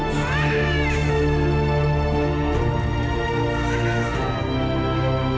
saya akan menangkan dia